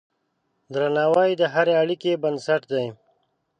درناوی د هرې اړیکې بنسټ دی.